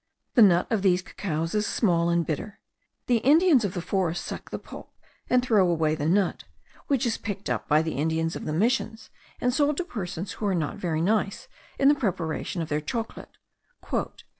The nut of these cacaos is small and bitter; the Indians of the forest suck the pulp, and throw away the nut, which is picked up by the Indians of the missions, and sold to persons who are not very nice in the preparation of their chocolate.